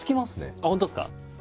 あっ本当ですか。